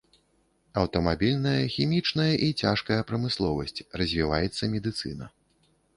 Аўтамабільная, хімічная і цяжкая прамысловасць, развіваецца медыцына.